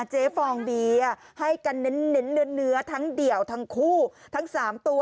ฟองเบียร์ให้กันเน้นเนื้อทั้งเดี่ยวทั้งคู่ทั้ง๓ตัว